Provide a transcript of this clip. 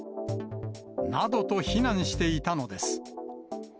などと非難していたのです。